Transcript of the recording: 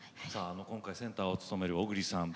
今回センターを務める小栗さん